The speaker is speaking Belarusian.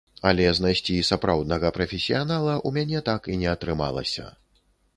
Але знайсці сапраўднага прафесіянала ў мяне так і не атрымалася.